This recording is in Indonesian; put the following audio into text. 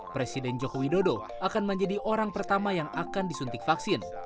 presiden joko widodo akan menjadi orang pertama yang akan disuntik vaksin